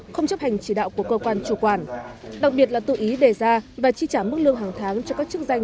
không chấp hành chỉ đạo của cơ quan chủ quản đặc biệt là tự ý đề ra và chi trả mức lương hàng tháng cho các chức danh